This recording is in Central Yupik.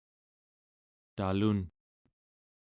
talun